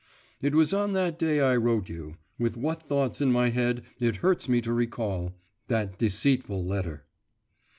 It was on that day I wrote you, with what thoughts in my head it hurts me to recall that deceitful letter.